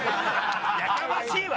やかましいわ！